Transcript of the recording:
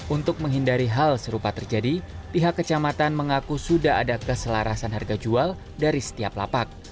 untuk menghindari hal serupa terjadi pihak kecamatan mengaku sudah ada keselarasan harga jual dari setiap lapak